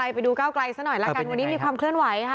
ไปดูก้าวไกลซะหน่อยละกันวันนี้มีความเคลื่อนไหวค่ะ